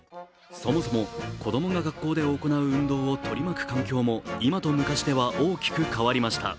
そもそも子供が学校で行う運動を取り巻く環境も今と昔では大きく変わりました。